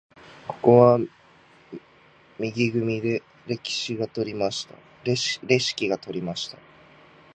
ここは右組でレシキが取りました。